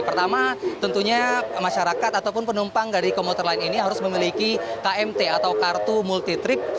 pertama tentunya masyarakat ataupun penumpang dari komuter lain ini harus memiliki kmt atau kartu multi trip